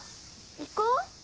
行こう！